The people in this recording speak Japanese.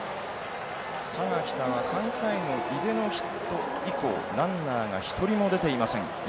佐賀北は３回の井手のヒット以降ランナーが一人も出ていません。